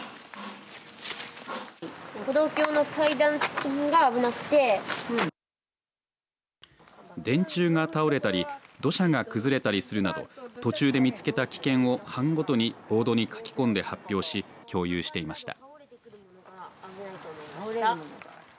歩道橋の階段付近が危なくて電柱が倒れたり土砂が崩れたりするなど途中で見つけた点を班ごとに、ボードに書き込んで発表し、共有していました。